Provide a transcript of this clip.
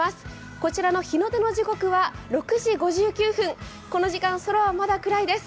こちらの日の出の時刻は６時５９分、この時間空はまだ暗いです。